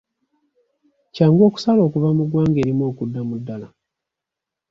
Kyangu okusala okuva mu ggwanga erimu okudda mu ddaala?